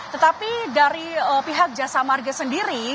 tetapi dari pihak jasa marga sendiri